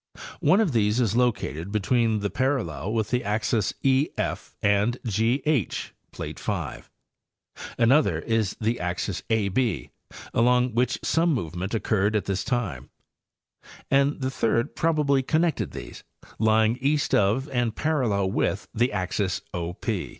One of these is located between and parallel with the axes H Fand G H (plate 5); another is the axis A B, along which some movement occurred at this time; and the third probably connected these, lying east of and parallel with the axis O P.